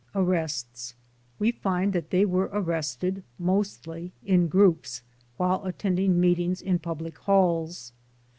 Arrests We find that they were arrested mostly in groups while attending meetings in public halls.